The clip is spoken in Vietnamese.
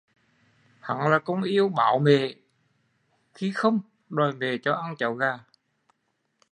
Hắn là con yêu báo mệ, khi không đòi Mệ cho ăn cháo gà